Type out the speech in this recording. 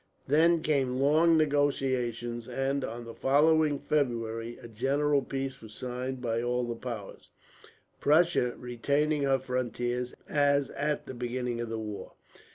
Then came long negotiations and, on the following February, a general peace was signed by all the Powers; Prussia retaining her frontiers, as at the beginning of the war.